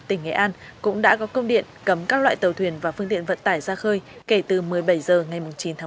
tỉnh nghệ an cũng đã có công điện cấm các loại tàu thuyền và phương tiện vận tải ra khơi kể từ một mươi bảy h ngày chín tháng